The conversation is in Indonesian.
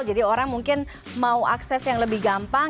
jadi orang mungkin mau akses yang lebih gampang